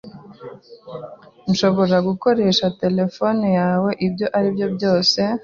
"Nshobora gukoresha terefone yawe?" "Ibyo ari byo byose."